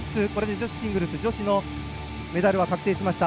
女子シングルスのメダルは確定しました。